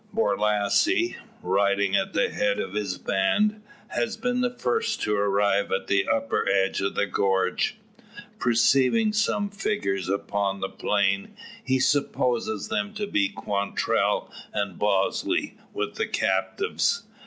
Borlasse, riding at the head of his band, has been the first to arrive at the upper end of the gorge. Perceiving some figures upon the plain, he supposes them to be Quantrell and Bosley with the captives.